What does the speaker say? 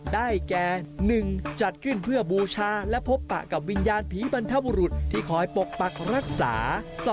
ได้แก่๑จัดขึ้นเพื่อบูชาและพบปะกับวิญญาณผีบรรทบุรุษที่คอยปกปักรักษา